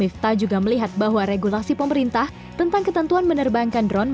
miftah juga melihat bahwa regulasi pemerintah tentang ketentuan menerbangkan drone